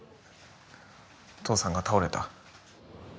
父さんが倒れた。